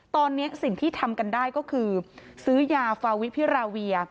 ตอนนี้สิ่งที่ทำกันได้ก็คือซื้อยาฟาวิพิราเวีย